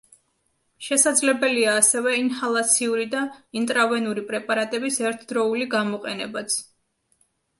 შესაძლებელია ასევე ინჰალაციური და ინტრავენური პრეპარატების ერთდროული გამოყენებაც.